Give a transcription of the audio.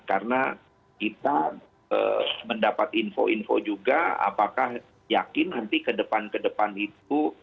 karena kita mendapat info info juga apakah yakin nanti kedepan kedepan itu